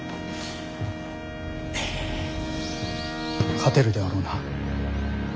勝てるであろうな？